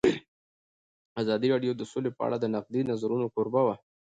ازادي راډیو د سوله په اړه د نقدي نظرونو کوربه وه.